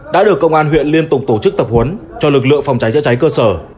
đã được công an huyện liên tục tổ chức tập huấn cho lực lượng phòng cháy chữa cháy cơ sở